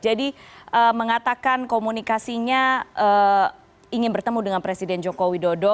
jadi mengatakan komunikasinya ingin bertemu dengan presiden joko widodo